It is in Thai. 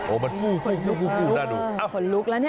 โอ้มันฟูหน้าหนู